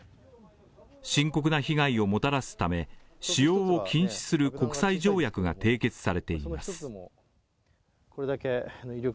深刻な被害をもたらすため、使用を禁止する国際条約が締結されています